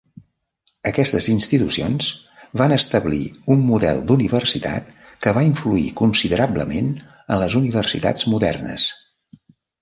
Aquestes institucions van establir un model d'universitat que va influir considerablement en les universitats modernes.